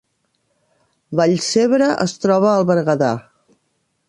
Vallcebre es troba al Berguedà